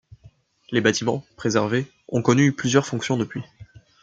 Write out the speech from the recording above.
Les bâtiments, préservés, ont connu plusieurs fonctions depuis.